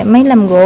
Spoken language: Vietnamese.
máy làm gỗ